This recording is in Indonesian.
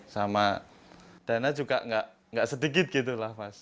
sama dana juga gak sedikit gitu lah pas